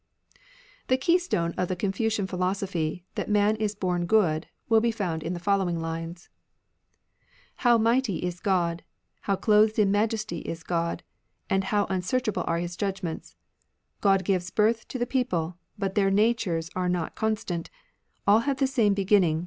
j^^ The keystone of the Confucian phil Confucian osophy, that man is bom good, will be Criterion* » j • j.i j^ n • i* found m the following lines :— How mighty is God ! How clothed in majesty is God, And how unsearchable eare His judgments ! God gives birth to the people. But their natures are not constant ; All have the same beginning.